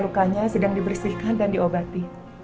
lukanya sedang dibersihkan dan diobati